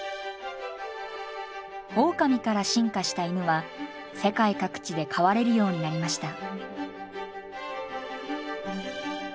オオカミから進化した犬は世界各地で飼われるようになりました。